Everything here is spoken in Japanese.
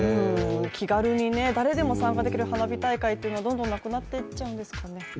気軽に誰でも参加できる花火大会はどんどんなくなっていっちゃうんですかね。